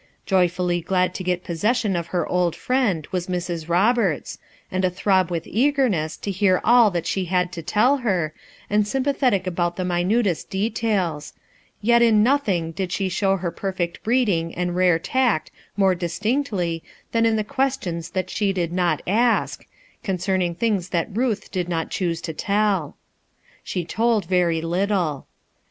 Joyfully glad to get possession of her old friend was Mra Uobcrts, and athrob with eagerness to hear all that she had to tell her, and sympathetic about 2G2 RUTH ERSKINE'S SON the minutest details; yet in nothing did she show her perfect breeding and rare tact more distinctly than in the questions that she did not ask, con cerning things that Ruth did not choose to tell She told very little.